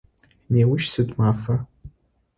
Неущ сыд мафа?